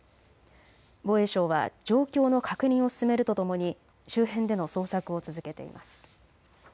防衛省は状況の確認を進めるとともに周辺での捜索を続けています。